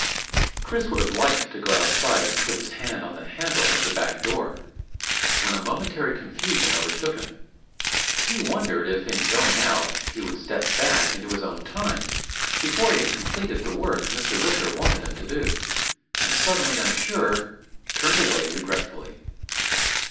Chris would have liked to go outside and put his hand on the handle of the back door, when a momentary confusion overtook him. He wondered if in going out he would step back into his own time before he had completed the work Mr. Wicker wanted him to do, and suddenly unsure, turned away regretfully.